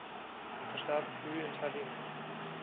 Er verstarb früh in Tallinn.